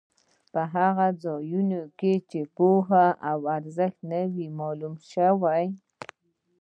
په هغو ځایونو کې چې پوهې ارزښت نه وي معلوم شوی.